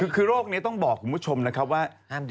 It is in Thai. คือโรคนี้ต้องบอกคุณผู้ชมนะครับว่า